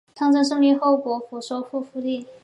抗战胜利后国府收复失地。